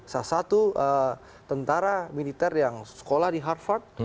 salah satu tentara militer yang sekolah di harvard